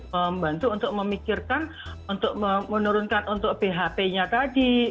membantu untuk memikirkan untuk menurunkan untuk bhp nya tadi